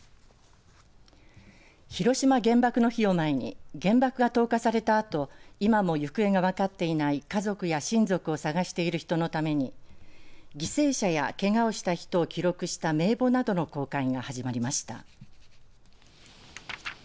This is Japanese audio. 広島原爆の日を前に原爆が投下されたあと今も行方がわかっていない家族や親族を捜している人のために犠牲者やけがをした人を記録した名簿などの公開が始まりました。